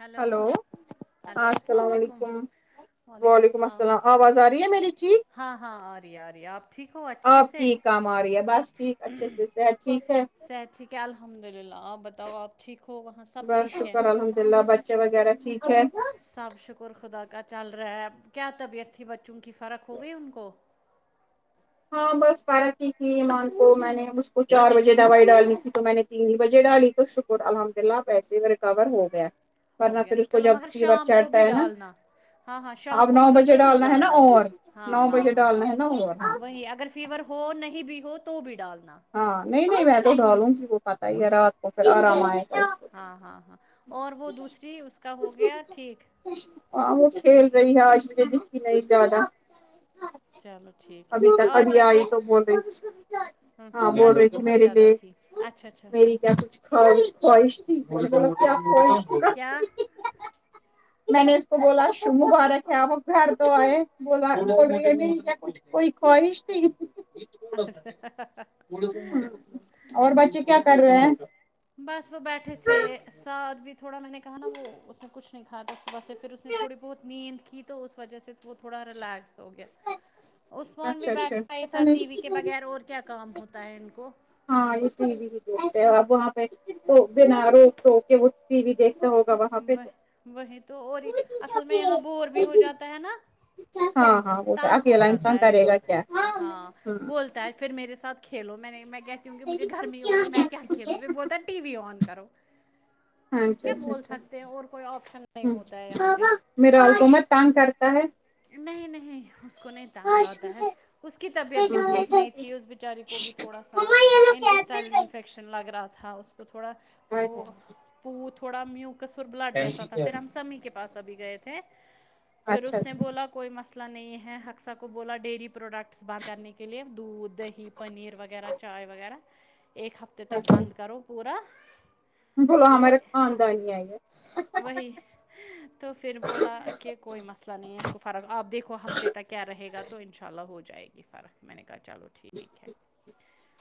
Hello hello ہاں السلام علیکم وعلیکم السلام آواز آ رہی ہے میری ٹھیک ہاں ہاں آ رہی ہے آ رہی ہے آپ ٹھیک ہو اچھے آپ سے کی کام آ رہی ہے بس ٹھیک اچھے سے صحت ٹھیک ہے صحت ٹھیک ہے الحمد للہ آپ بتاؤ آپ ٹھیک ہوگا بس شکر الحمد اللہ بچے وغیرہ ٹھیک ہے سب شکر خدا کا چل رہا ہے اب کیا طبیعت تھی بچوں کی فرق ہو گئی ان کو ہاں بس پارق کی تھی ایمان کو میں نے اس کو چار بجے دوائی ڈالنی تھی تو میں نے تین بجے ڈالی تو شکر الحمداللہ پیسے ریکور ہو گیا ہو ورنہ گیا پھر اس کو چلو جب مگر فیور شام کو بھی چڑھتا ہے نا ڈالنا ہاں ہاں شام اب کو نو مگر بجے ضرور ہے نا ڈالنا اور ہاں نو ہاں بجے ہاں ڈالنا ہے نا اور وہی اگر فیور ہو نہیں بھی ہو تو بھی ڈالنا ہاں نہیں نہیں میں تو ڈھالوں گی وہ پتہ ہی ہے رات کو پھر آرام آئے گا اس کو۔ ہاں ہاں ہاں اور وہ دوسری اس کا ہو گیا ٹھیک ہاں وہ کھیل رہی ہے آج مجھے دکھی نہیں زیادہ چلو ٹھیک ہے ابھی ٹھیک ہے تک آج ابھی آئی ویسے تو بول رہی ہاں بول گرمی رہی تھی بہت میرے زیادہ لیے تھی اچھا اچھا میری کیا کوچھ خ خواہش تھی میں نے بولا کیا خواہش تھی کیا [unintelligible] میں نے اس کو بولا مبارک ہے آپ گھر تو آئے بولا کیاچھ کوئی خواہش تھی اچھا [unintelligible] اور بچے [unintelligible] کیا چلو کر رہے ہیں بس میں بیٹھے تھے سعد بھی تھوڑا میں نے کہا نا وہ اس نے کچھ نہیں کھایا تھاصبح سے پھر اس نے تھوڑی بہت نیند کی تو اس وجہ سے وہ تھوڑا ریلیکس ہو گیا اثمان بھی اچھا اچھا بیٹھا ہی پتا تھا ٹی وی کے نہیں بغیر اور کیا کام ہوتا ہے ان کو ہاں اس لیے بھی دیکتے ہیں آب وہاں پہ بنا روک ٹوک کہ وہ ٹیوی دیکھتا ہوگا وہاں پہ وہ وہی تو اور اصل میں یہاں بور بھی ہو جاتا ہے نا [unintelligible] ہاں ہاں وہ تنگ ہو اکیلا انسان جاتا ہے کرے یہاں گا پہ کیا ہ ہاں بولتا پھر میرے ساتھ کھیلو میں نے میں گ کیونکہ مجھے گرمی ہو رہی ہے میں کیا کھیلوں میں بولتا ٹی وی آن کرو ہاں اچھا کیا اچھا بول اچھا سکتے ہیں اور کوئی آپشن نہیں یم ہوتا ہے یہاں پہ ماما میرے [unintelligible] تنگ کرتا ہے نہیں نہیں اس کو نہیں تانگ لا تا ہے اس کی طبیعت بھی ٹھیک اچھا نہیں تھی اس بی بچاری کو بھی تھوڑا سا انٹسٹائل انفیکشن لگ رہا تھا اس کو تھوڑا وہ پو تھوڑا میوٹ بلاٹ جیسا تھا پھر ہم سمی کے پاس ابھی گئے تھے پھر اچھا اس نے بولا کوئی مسئلہ نہیں ہے ہکسہ کو بولا ڈیری پروڈکٹس بند کرنے کے لیے دودھ دہی پنیر وغیرہ چائے وغیرہ ایک ہفتے تک بند کرو پورا بلاو تو ہمارا خاندانی آئی ہے وہی تو پھر بولا کہ کوئی مسئلہ نہیں ہے اس کو فرق آپ دیکھو ہفتے تک کیا رہے گا تو انشاء اللہ ہو جائے گی فرق میں نے کہا چلو ٹھیک ہے [inaudible]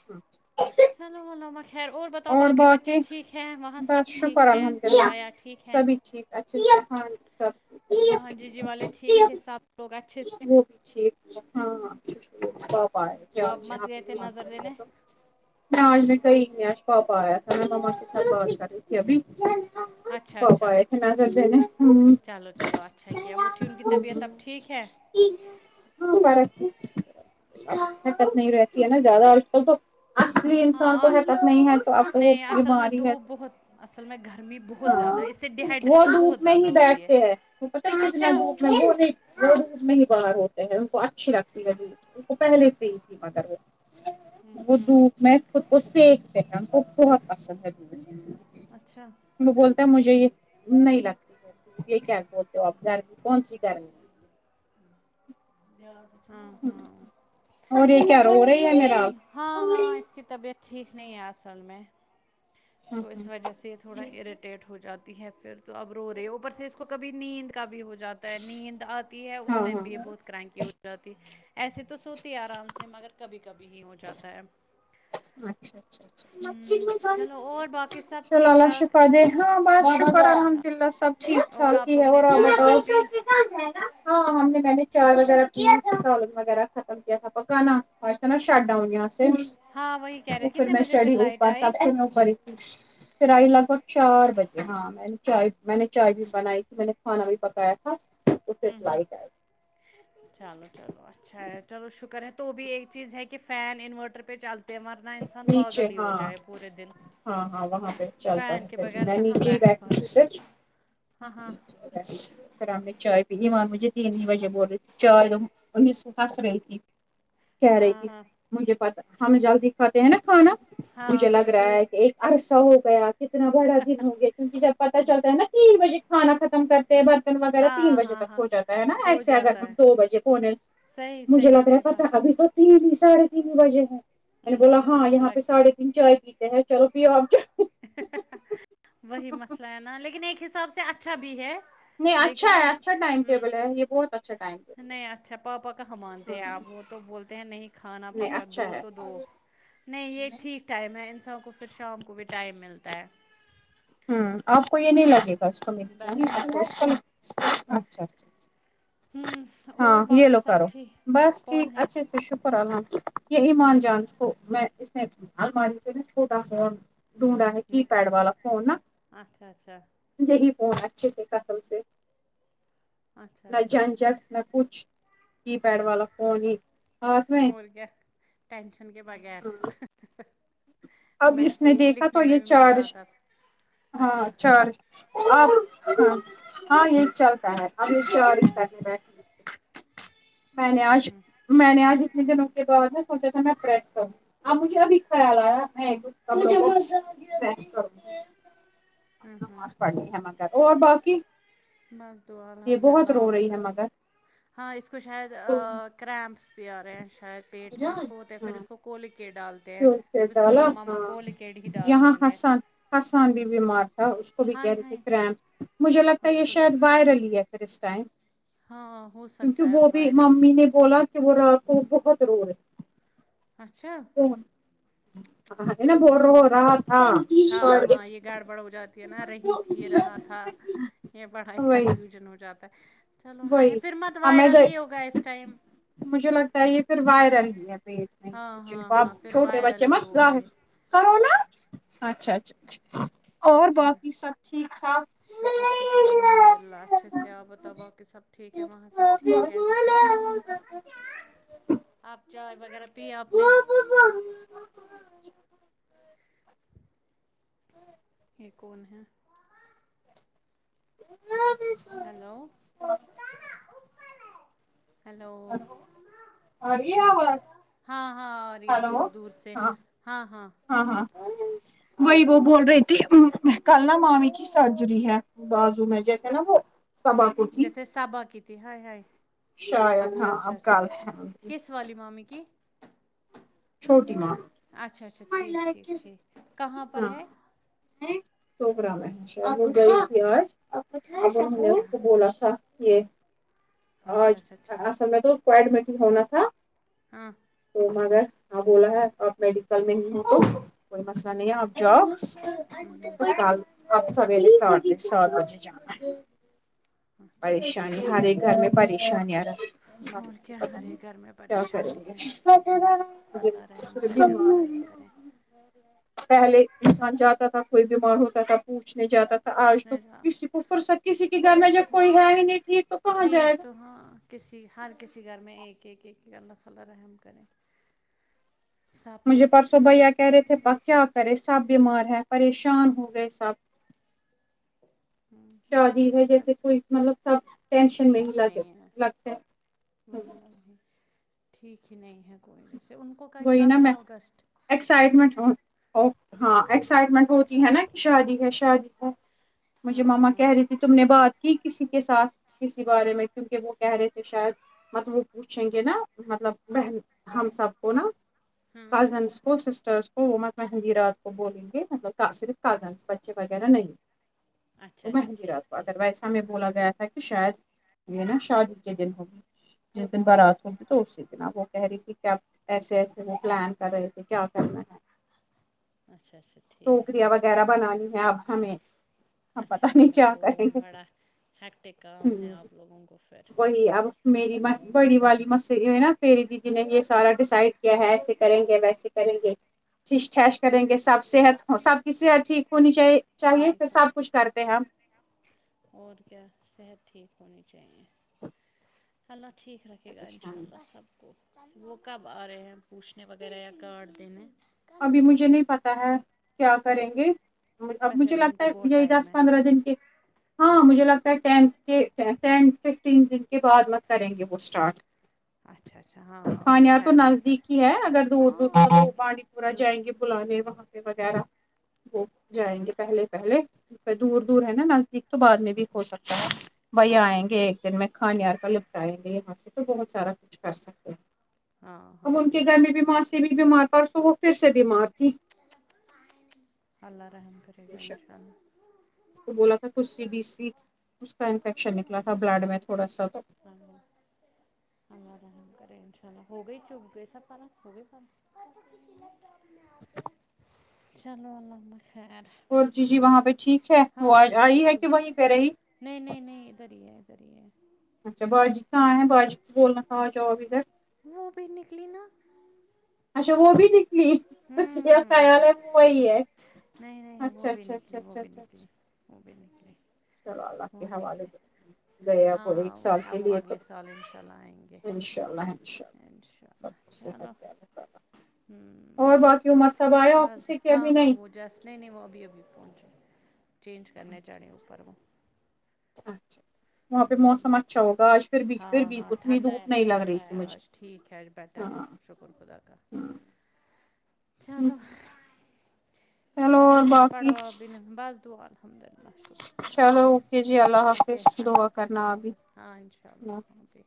[inaudible] کھانا بںانا خیر اور بتاؤ باقی بچے ٹھیک ہیں وہاں سب بس شکر ٹھیک ہیں الحمد للہ بھایا ٹھیک ہیں سبھی ٹھیک ہاں جی سب وہاں جی جی والے ٹھیک تھے سب لوگ اچھے سے وہ بھی ٹھیک بہت اچھی ہے ہاں آ آپ مت یہاں پہ گئے تھے نظر [unintelligible] دینے تو میں آج میں کئی نہیں آج پاپا آیا تھا میں مما کے ساتھ بات کر رہی تھی ابھی اچھا پاپا اچھا آئے تھے نظر دینے ہوں چلو چلو اچھا کیا وہ تھی ان کی طبیعت اب ٹھیک ہے ہاں پر حکت نہیں رہتی ہے نا زیادہ آج کل تو اصلی ہاں انسان کو اور حکت نہیں ہے تو آپ کو وہ نہیں اصل میں بیماری ہے دھوپ بہت اصل میں گرمی بہت ہاں زیادہ اس سے وہ ڈیہائیڈریشن بہت دھوپ میں زیادہ ہی ہوتی ہے بیٹھتے ہیں پتا اتنا اچھا دھوپ میں بہت وہ دھوپ میں ہی باہر ہوتے ہیں ان کو اچھی لگتی ہے دھوپ ان کو پہلے سے ہی تھی مگر وہ وہ دھوپ میں خود کو سیکتے انکو بہت پسند ہے اچھا وہ بولتا ہے مجھے یہ نہیں لگتی ہے یہ کیا بولتے ہو گمی کون سی گرمی ہے ج ہاں ہاں اور یہ کیارو رہے چند ہاں ہاں اس کی طبیعت ٹھیک نہیں ہے اصل میں ہاں تو اس وجہ سے تھوڑا اریٹیٹ ہو جاتی ہے پھر تو اب رو رہے اوپر سے اس کو کبھی نیند کا بھی ہو جاتا ہے نیند آتی ہے اس ٹائم ہاں بھی یہ بہت کرکی ہو جاتی ایسے تو سوتی ہے آرام سے مگر کبھی کبھی ہی ہو جاتا ہے اچھا اچھا اچھا م میں چلو اور باقی ص سب ٹھیک اللہ ٹھاک شفا دے ہاں بس شکر انشاء الحمد اللہ سب ٹھیک اور آپ چھااکی ہے لوگوں نے اور چائے بتاؤ وائے پی ا ہاں ہم نے میں نے چائے وغیرہ کیا تھا سالن وغیرہ ختم کیا تھا پکانا اچسا نا شڈ اچھا ڈاؤن یہاں سے ہاں وہی کہہ رہے کتنے بجے پھر لائٹ آئی نہ پ پھر آئی لگ بھگ چار بجے ہاں میں نے چائے میں نے چائے بھی بنائی تھی میں نے کھانا بھی پکایا تھا تو پھر ہوں ہوں لائٹ آئی چلو چلو اچھا چلو شکر ہے تو بھی ایک چیز ہے کہ فین انورٹر پہ چلتے ہیں مورت نہ انسان نیچے پاگل ہی ہو ہاں جائے پورے دن ہاں ہاں وہاں پہ چلتا فین ہے کے پھر بغیر میں کہاں نیچے ہی بیٹھ بیٹھتی پاتا ہے۔ ہ ہاں ہاں پھر بس کر میں چائے پ تین وجہ بول رہ چائے د انس سو ہ [inaudible] کہہ رہی تھی ہاں مجھے پتا ہم جلدی کھاتے ہیں نا کھانا مجھے ہاں لگ پھر رہا بھوک ہے ایک عرصہ ہو گیا کتنا بڑا دن ہو گیا کیونکہ جب پتا چلتا ہے نا تین بجے کھانا ختم کر پہ برتن وغیرہ تین ہاں بجے ہاں تک ہاں ہو جاتا ہے نا ہو ایسے اگر جاتا ہم ہے دو بجے ہونے صحیح مجھے صحیح لگ رہا ہے صحیح بات پتہ ابھی تو تین ہیاڑھے تین ہی بجے ہیں میں نے بولا ہاں بھوک یہاں پہ لگتی ساڑھے ت چائے پیتے ہیں چلو ب آ کے وہی مسئلہ ہے نا لیکن ایک حساب سے اچھا بھی ہے نہیں اچھا لیکن اب ہے اچھا ٹائم ہ ٹیبل ہے یہ بہت اچھا ٹائم ٹیبل نہیں اچھا پاپا کا حمان ہے تے ہاں آپ وہ تو بولتے ہیں نہیں کھانا نہیں پکا اچھا دو ہے تو دو نہیں یہ ٹھیک ٹائم ہے انسان کو پھر شام کو بھی ٹائم ملتا ہے ہ آپ کو یہ نہیں لگے گا اس کو م بیٹھنے بیٹھنے کا۔ اچھا اچھا ہوں اور ہاں باقی یہلو سب کرو ٹھیک بس ٹھیک کون ہے اچھا شکر الم یہ ایمان جان کو میں الماری سے نا چھوٹا ہ فون ڈھونڈا ہے کی پیڈ نکالا والا فون نا اچھا اچھا یہی فون اچھے سے قسم سے اچھا نہ اچھا جھنجھک نہ کچھ کی پیڈ والا فون ہی ہاتھ میں اور کیا ٹینشن کے بغیر اب اس نے میسیج دیکھا تو لکھنے یہ میں بھی مزہ چارج آتا تھا ہاں اچھا چار ہاں ہاں یہ چلتا ہے اب [unintelligible] میں نے آج میں نے آج اتنے دنوں کے بعد ہے سوچا تھا میں پریس کروں اب مجھے ابھی خیال آیا [unintelligible] اب نماز پڑھنی ہے مگر اور باقی بس دعا یہ الحمد للہ بہت رو آپ رہی بتاو ہے مگر ہاں اس کو شاید کرمپس بھی آ رہے ہیں شاید پیٹ میں اس کو ہوتے ہیں پھر ہاں اس کو کول کے ڈال [unintelligible] ڈالا ہاں ہی ڈال یہاں رہی ہے ہسن حسان بھی بیمار تھا اس کو بھی ہاں کہہ رہے تھے ہاں کرمپ مجھے لگتا ہے اس یہ کو کیا شاید وائرل ہی ہے پھر اس ٹائم ہاں ہو سکتا کیونکہ ہے وہ بھی وائرل ممی نے بولا کہ وہ رات کو بہت رو رہا ہے اچھا آگے نہ وہ رو رہا تھا تھا ہاں یہ گڑبڑ ہو جاتی ہے نا رہی تھی رہا تھا یہ بڑا ہی وہی کنفیوژن ہو جاتا ہے چلو ہاں وہی پھر مت ہاں میں وائرل گئی ہی ہوگا اس ٹائم مجھے لگتا ہے یہ پھر وائرل ہی ہے پیٹ میں ہاں کچھ ہاں کو آپ ہاں پھر چھوٹے بچے وائرل ہی مت ہوگا ظاہر یہ کرونا اچھا اچھا اچھا اور اچھا باقی سب ٹھیک ٹھاک شکر شکر الحمد للہ اچھے سے [unintelligible] سب ٹھیک ہے وہاں سب ٹھیک ہے آپ چائے وغیرہ پی آپ نے یہ کون ہے میں بھی س ہیلو [inaudible] ہیلو ہلو ا رہی آواز ہاں ہاں آرہی ہے دور ہلو دور سے ہاں ہاں ہاں ہاں ہاں وہی وہ بول رہی تھی کل نا مامی کی سرجری ہے بازو میں جیسے نا وہ صبا کو تھی جیسے سبا کی تھی ہائے ہائے شاید اچھا ہاں اب اچھا اچھا کل ہیں انکی کس والی مامی کی چھوٹی ماں اچھا اچھا ٹھیک ٹھیک ٹھیک کہاں پر ہے چوکرا میں شاید وہ گئی تھی آج اب ہم نے اچھا اس کو بولا تھا یہ اچھا آج اچھا ٹھیک [unintelligible] ہونا تھا ہاں تو مگر ہاں بولا ہے آپ میڈیکل میں نہیں ہے تو کوئی مسئلہ نہیں ہے آپ جاؤ کل اب سویرے ساٹھ سات بجے جانا ہے اچھا اچھا پریشانی اچھا ہر ایک گھر میں پریشانیاں رہ سب اور کیا پتا ہر نہیں ایک گھر میں کیا پریشانی ہے کر [unintelligible] اللہ رحم کرے اللہ رحم کرے پہلے انسان چلو جات [unintelligible] کوئی بیمار ہوتا تھا پوچھنے جاتا تھا آج تو پوچھنے جا کسی کو فرصت کسی کے گھر میں جب فرصت کوئی ہے ہی نہیں ٹھیک تو کہاں جائے ٹھیک گا تو ہاں کسی ہر کسی گھر میں ایک ایک ایک اللہ تعالی رحم کرے سب پہ مجھے پرسوں بھیا کہہ رہے تھے پا کیا کرے سب بیمار ہے پریشان ہو گئے سب تو [inaudible] شادی ہے جیسے کوئی مطلب سب ٹینشن میں ہی لگے لگتے م ہیں۔ ا [inaudible] ٹھیک ہی نہیں ہے کوئی ویسے ان کو وہی نا کب ہے میں اگست ایکسائٹمنٹ ہوں اوک ہاں ایکسائٹمنٹ ہوتی ہے نا کہ شادی ہے شادی ہے مجھے مما ہاں کہہ رہی تھی تم نے بات کی کسی کے ساتھ کسی بارے میں کیونکہ وہ کہہ رہے تھے شاید مطلب وہ پوچھیں گے نا مطلب بہن ہم سب کو نا کزنس وہ سسٹرس کو مگی رات کو بولیں گے مطلب صرف کازنس بچے وغیرہ نہیں [unintelligible] اچھا اچھا ٹھیک ٹھیک ہمیں بولا گیا تھا کہ شاید یہ نا شادی کے دن ہو جس دن بارات ہوگی تو اسی دن آپ وہ کہہ رہی تھی کیا ایسے ایسے میں پلان کر رہے تھے کیا کرنا ہے اچھا اچھا ٹھیک ٹوکریاں وغیرہ بنانی ہیں اب ہمیں ہم پتہ اچھا نہیں اچھا کیا وہ کریں گے بڑا ہیکٹک کام ہے آپ لوگوں کو پھر وہی اب میری مس بڑی والی مس ہے نا پیری دیدی نے یہ سارا ڈیسائڈ کیا ہے ایسے کریں گے ویسے کریں گے [unintelligible] کریں گے سب صحت سب کی صحت ٹھیک ہونی چاہے چاہیے پھر ٹھیک سب ہونی کچھ کرتے ہیں ہم اور کیا صحت ٹھیک ہونی چاہیے اللہ ٹھیک رکھے گا پریشان انشاء اللہ سب کو وہ کب آ رہے ہیں پوچھنے وغیرہ یا کارڈ دینے ابھی مجھے نہیں پتا ہے کیا کریں گے اب ویسے مجھے ابھی ان لگتا کو ہے بہت یہی ٹائم دس ہے پندرہ دن کے ہاں مجھے لگتا ہے ٹین کہ ٹین ففٹین دن کے بعد میں کریں گے وہ اسٹارٹ اچھا اچھا ہاں یہاں اچھا تو ہے بہتر نزدیک ہی ہے اگر دور دور ہاں ان کو دو جائیں گے بلانے وہاں پہ وغیرہ وہ جائیں گے پہلے پہلے دور دور ہے نا نزدیک تو بعد میں بھی ہو سکتا ہے بھیا آئیں گے دن میں کھانا یار کا لپٹایایں گے یہاں سے تو بہت سارا کچھ کر سکتے ہیں ہاں اب ہاں ان کے گھر میں بھی انشاء اللہ ماںسی بھی بیمار تھا پرسوں وہ پھر سے بیمار تھی اللہ رحم کرے گا تھی انشاء اللہ تو بولا تھا کچھ سی بی سی اس کا انفیکشن نکلا تھا بلڈ میں تھوڑا سا تو ہاں اللہ رحم کریں ان شاء اللہ ہوگئے [unintelligible] چلو اللہ خیر بول جی جی وہاں پہ ٹھیک ہے ہاں وہ ہاں آئی شکر ہے کہ شکر وہیں پہ رہی نہیں نہیں نہیں ادھر ہی ہے ادھر ہی ہے اچھا باجی کہاں ہے باجی کو بولنا تھا اجاو اب ادھر وہ بھی نکلی نا اچھا وہ بھی دکھلی کچ ہوں خیال ہے وہ وہی ہے نہیں نہیں اچھا وہ بھی اچھا اچھا نکلی وہ اچھا بھی اچھا نکلی وہ بھی نکلے چلو اللہ کے وہ حوالے گیا وہ ایک ہاں سال کے اب وہ لیے تو اگلے سال انشاء اللہ آئیں گے انشاء اللہ انشاء اللہ انشاء سب کو اللہ صحت چلو دے اللہ تعالی اور باقی عمر صاحب آیا آفس بس سے کہ ہاں ابھی ہاں نہیں وہ جس نہیں نہیں وہ ابھی ابھی پہنچا چینج کرنے چڑے اوپر وہ اچھا وہاں پہ ہوں موسم اچھا ہوگا آج پھر بھی پھر ہاں بھی ہاں اتنی ٹھنڈا ہے دھوپ نا نہیں لگ ٹھنڈا رہی تھی ہے مجھے آج ٹھیک ہے بیٹر ہے ہاں شکر خدا کا ہاں چلو چلو اور جی باقی پڑھو اپ بھی بس دعا الحمد اللہ شکر خدا کا چلو اوکے جی اللہ حافظ اوکے اللہ دعا حافظ کرنا اللہ ابھی حافظ ہاں انشاء اللہ